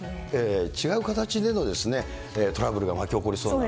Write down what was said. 違う形でのトラブルが巻き起こりそうな。